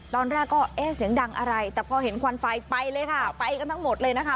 ตอนแรกก็เอ๊ะเสียงดังอะไรแต่พอเห็นควันไฟไปเลยค่ะไปกันทั้งหมดเลยนะคะ